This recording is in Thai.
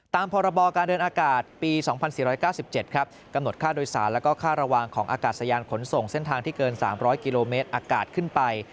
พรบการเดินอากาศปี๒๔๙๗กำหนดค่าโดยสารและค่าระวังของอากาศยานขนส่งเส้นทางที่เกิน๓๐๐กิโลเมตรอากาศขึ้นไป